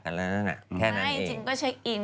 แค่นั้นเองอ่ะแค่นั้นเองใช่จริงก็เช็คอิน